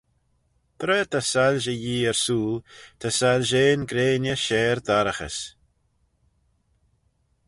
Tra ta soilshey Yee ersooyl ta soilshean greiney share dorraghys.